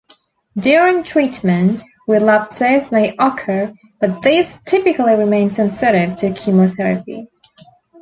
During treatment, relapses may occur but these typically remain sensitive to chemotherapy.